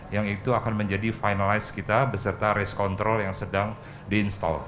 yang itu akan menjadi finalize kita beserta risk control yang sedang diinstall